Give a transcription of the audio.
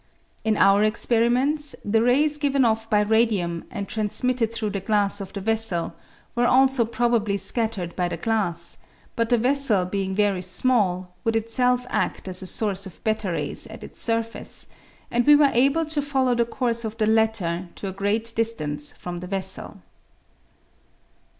In our experi ments the rays given off by radium and transmitted through the glass of the vessel were also probably scattered by the glass, but the vessel being very small would itself adt as a source of /3 rays at its surface, and we were able to follow the course of the latter to a great distance from the vessel.